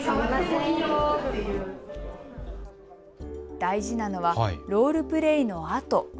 大事なのはロールプレーのあと。